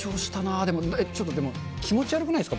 でも、ちょっとでも、気持ち悪くないですか？